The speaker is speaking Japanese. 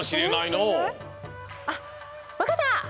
あっわかった！